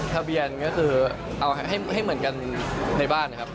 ทะเบียนก็คือเอาให้เหมือนกันในบ้านนะครับ